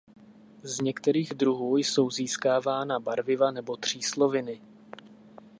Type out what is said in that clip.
Z některých druhů jsou získávána barviva nebo třísloviny.